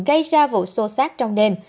gây ra vụ xô xát trong đêm